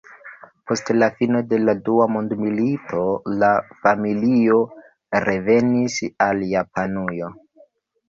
Post la fino de la Dua Mondmilito la familio revenis al Japanujo.